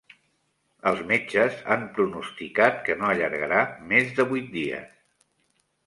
Els metges han pronosticat que no allargarà més de vuit dies.